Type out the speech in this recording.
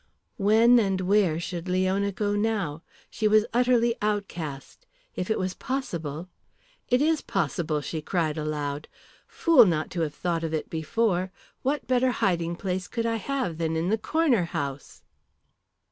When and where should Leona go now? She was utterly outcast. If it was possible "It is possible," she cried aloud. "Fool not to have thought of it before. What better hiding place could I have than in the Corner House!"